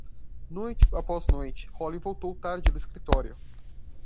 Noite após noite, Holly voltou tarde do escritório.